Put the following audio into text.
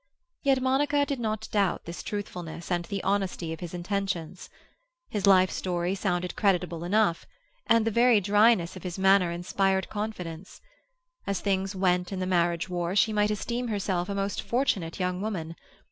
Yet Monica did not doubt his truthfulness and the honesty of his intentions. His life story sounded credible enough, and the very dryness of his manner inspired confidence. As things went in the marriage war, she might esteem herself a most fortunate young woman.